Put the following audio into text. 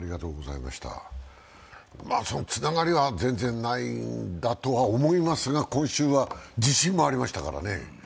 つながりは全然ないんだとは思いますが、今週は地震もありましたからね。